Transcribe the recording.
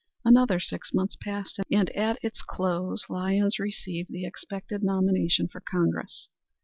Another six months passed, and at its close Lyons received the expected nomination for Congress.